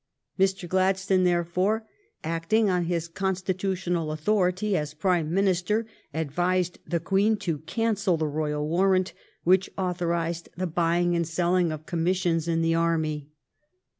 Mr. Gladstone, therefore, acting on his constitutional authority as Prime Minister, advised the Queen to cancel the royal warrant which authorized the buying and selling of commissions in the army.